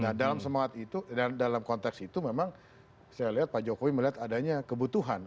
nah dalam semangat itu dalam konteks itu memang saya lihat pak jokowi melihat adanya kebutuhan